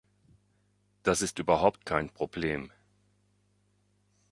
Das ist überhaupt kein Problem!